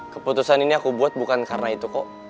keputusan ini aku buat bukan karena itu kok